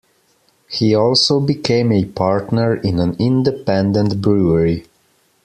He also became a partner in an independent brewery.